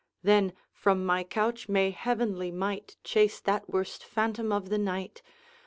Then, from my couch may heavenly might Chase that worst phantom of the night!